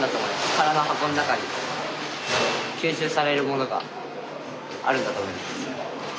空の箱の中に吸収されるものがあるんだと思うんですけど。